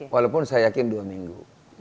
walaupun saya yakin dua minggu